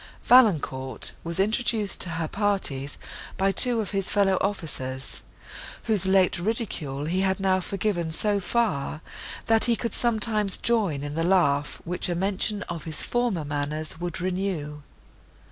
Valancourt was introduced to her parties by two of his brother officers, whose late ridicule he had now forgiven so far, that he could sometimes join in the laugh, which a mention of his former manners would renew.